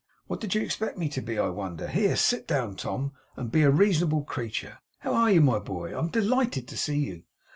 What did you expect me to be, I wonder! Here, sit down, Tom, and be a reasonable creature. How are you, my boy? I am delighted to see you!